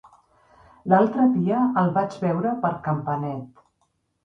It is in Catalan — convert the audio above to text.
L'altre dia el vaig veure per Campanet.